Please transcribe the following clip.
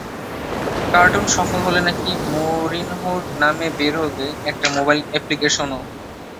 Cartoon সফল হলে নাকি মরিনহোর নামে বের হবে একটা মোবাইল অ্যাপ্লিকেশনও।